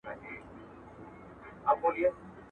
نه بڼو یمه ویشتلی، نه د زلفو زولانه یم!